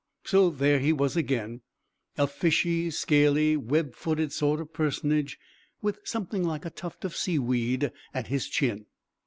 So there he was again, a fishy, scaly, web footed sort of personage, with something like a tuft of seaweed at his chin.